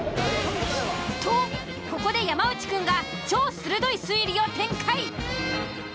とここで山内くんが超鋭い推理を展開。